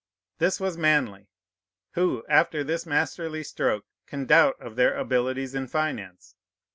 This was manly. Who, after this masterly stroke, can doubt of their abilities in finance?